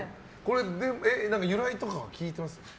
由来とかは聞いてます？